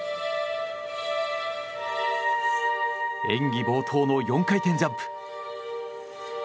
演技冒頭の４回転ジャンプ。